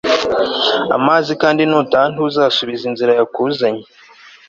amazi kandi nutaha ntuzasubize inzira yakuzanye